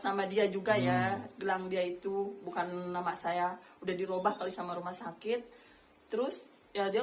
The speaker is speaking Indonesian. sama dia juga ya gelang dia itu bukan nama saya udah dirubah kali sama rumah sakit terus ya dia